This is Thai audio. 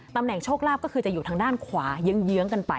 แหนโชคลาภก็คือจะอยู่ทางด้านขวาเยื้องกันไป